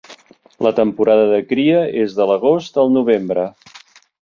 La temporada de cria és de l'agost al novembre.